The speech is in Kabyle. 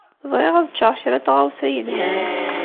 Bɣiɣ ad ččeɣ kra n tɣawsa yelhan.